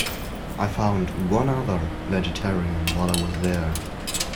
I found one other vegetarian while I was there.